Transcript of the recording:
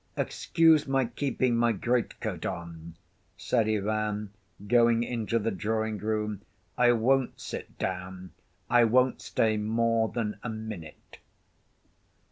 "Excuse my keeping my greatcoat on," said Ivan, going into the drawing‐ room. "I won't sit down. I won't stay more than a minute."